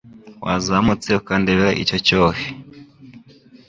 wazamutse ukandebera icyo cyohe